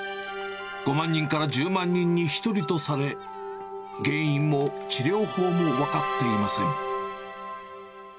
５万人から１０万人に１人とされ、原因も治療法も分かっていません。